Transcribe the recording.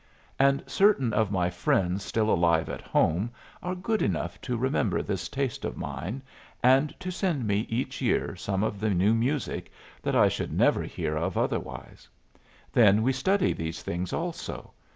And certain of my friends still alive at home are good enough to remember this taste of mine, and to send me each year some of the new music that I should never hear of otherwise. Then we study these things also.